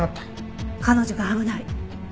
彼女が危ない。